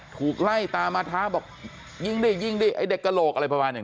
ถูกไล่ตามมาท้าบอกยิงดิยิงดิไอ้เด็กกระโหลกอะไรประมาณอย่าง